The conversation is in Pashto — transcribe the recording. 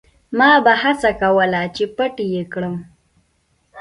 ما به هڅه کوله چې پټ یې کړم.